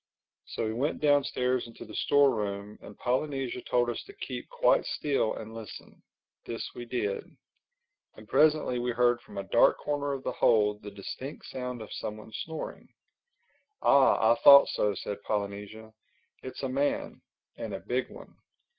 So we went downstairs into the store room and Polynesia told us to keep quite still and listen. This we did. And presently we heard from a dark corner of the hold the distinct sound of someone snoring. "Ah, I thought so," said Polynesia. "It's a man—and a big one.